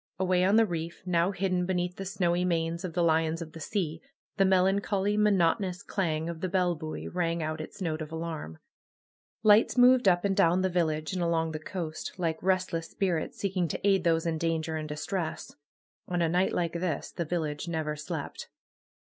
Away on the reef, now hidden beneath the snowy manes of the lions of the sea, the melancholy, monotonous clang of the bell buoy rang out its note of alarm. Lights moved up and down the village, and along the coast, like restless spirits seeking to aid those in danger and distress. On a night like this the village never slept.